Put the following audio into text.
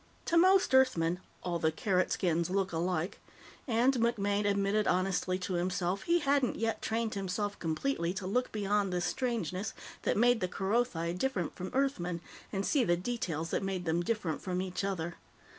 To most Earthmen, "all the Carrot skins look alike," and, MacMaine admitted honestly to himself, he hadn't yet trained himself completely to look beyond the strangenesses that made the Kerothi different from Earthmen and see the details that made them different from each other.